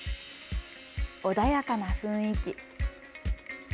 穏やかな雰囲気。